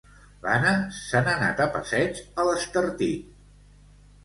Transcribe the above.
L'Anna se n'ha anat a passeig a l'Estartit